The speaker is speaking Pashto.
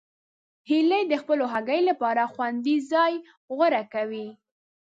هیلۍ د خپلو هګیو لپاره خوندي ځای غوره کوي